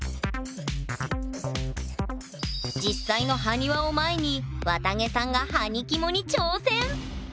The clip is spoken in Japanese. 実際の埴輪を前にわたげさんがはにキモに挑戦！